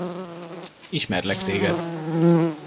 Ismerlek téged!